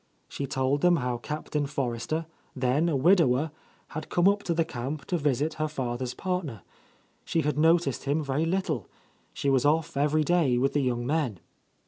She told them how Captain Forrester, then a widower, had come up to the camp to visit her father's partner. She had noticed him very little, — she was off every day with the young men.